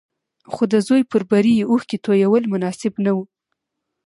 خو د زوی پر بري اوښکې تويول مناسب نه وو.